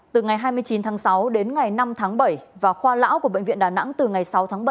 từ ngày hai mươi chín tháng sáu đến ngày năm tháng bảy và khoa lão của bệnh viện đà nẵng từ ngày sáu tháng bảy